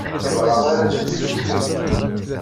Deg beṛṛa ara ččent imensi?